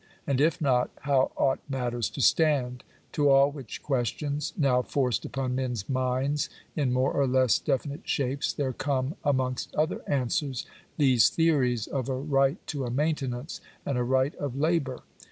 And if not, how ought matters to stand ? To all which questions, now forced upon men's minds in more or less definite shapes, there come, amongst other answers, these theo ries of a right to a maintenance and a right of labour.